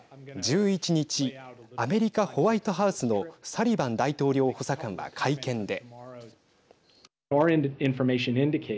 １１日アメリカ、ホワイトハウスのサリバン大統領補佐官は会見で。